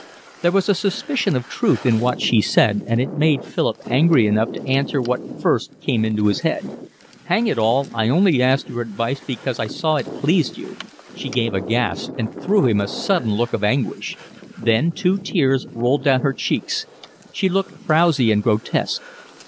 There was a suspicion of truth in what she said, and it made Philip angry enough to answer what first came into his head. "Hang it all, I only asked your advice because I saw it pleased you." She gave a gasp and threw him a sudden look of anguish. Then two tears rolled down her cheeks. She looked frowsy and grotesque.